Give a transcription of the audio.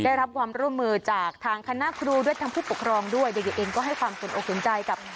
ได้รับความร่วมมือจากทางคณะครูด้วยทางผู้ปกครองด้วยเด็กเองก็ให้ความสนอกสนใจกับ